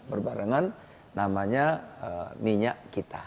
berbarengan namanya minyak kita